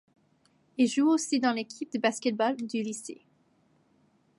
Il joue aussi dans l'équipe de basket-ball du lycée.